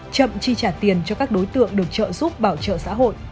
chậm chi trả tiền cho các đối tượng được trợ giúp bảo trợ xã hội